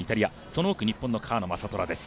その奥、日本の川野将虎です。